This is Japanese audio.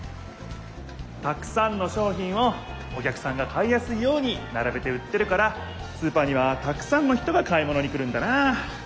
たくさんの商品をお客さんが買いやすいようにならべて売ってるからスーパーにはたくさんの人が買い物に来るんだなあ。